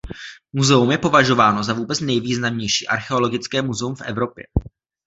Muzeum je považováno za vůbec nejvýznamnější archeologické muzeum v Evropě.